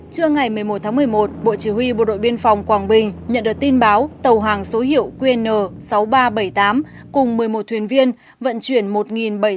trưa ngày một mươi một tháng một mươi một bộ chỉ huy bộ đội biên phòng quảng bình nhận được tin báo tàu hàng số hiệu qn sáu nghìn ba trăm bảy mươi tám cùng một mươi một thuyền viên vận chuyển một bảy trăm linh